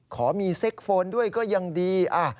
ขอมีเซ็กโฟนด้วยก็ยังดี